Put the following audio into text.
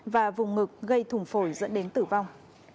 và vùng ngực gây thùng phổi dẫn đến tử vong